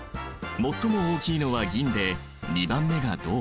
最も大きいのは銀で２番目が銅。